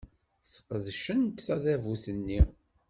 Sqedcent tadabut-nni.